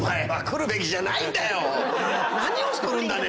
何をしとるんだね